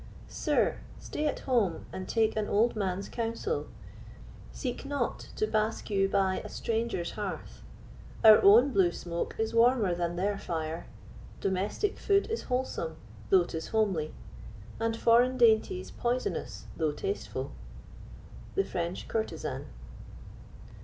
Sir, stay at home and take an old man's counsel; Seek not to bask you by a stranger's hearth; Our own blue smoke is warmer than their fire. Domestic food is wholesome, though 'tis homely, And foreign dainties poisonous, though tasteful. The French Courtezan.